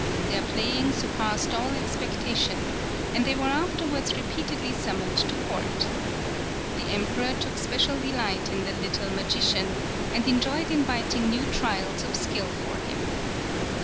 Their playing surpassed all expectation, and they were afterwards repeatedly summoned to court. The Emperor took special delight in the "little magician" and enjoyed inventing new trials of skill for him.